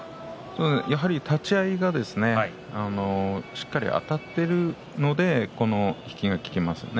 立ち合いがしっかりあたっているので引きが効くんですね。